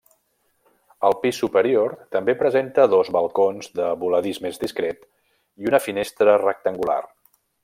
El pis superior també presenta dos balcons de voladís més discret i una finestra rectangular.